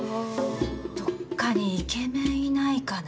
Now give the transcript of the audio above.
どっかにイケメンいないかな？